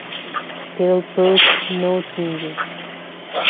They will brook no changes.